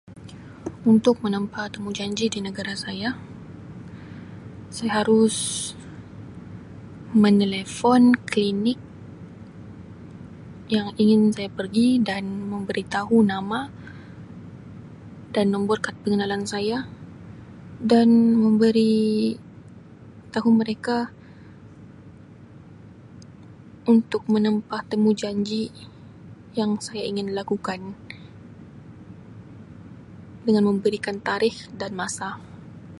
Untuk menempah temujanji di negara saya saya harus menelefon klinik yang ingin saya pergi dan memberi tahu nama dan nombor kad pengenalan saya dan memberi tahu mereka untuk menempah temujanji yang saya ingin lakukan dengan memberikan tarikh dan masa.